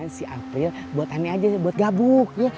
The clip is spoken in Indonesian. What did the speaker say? si april buat aneh aja buat gabuk ya